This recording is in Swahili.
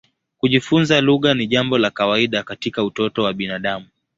Kujifunza lugha ni jambo la kawaida katika utoto wa binadamu.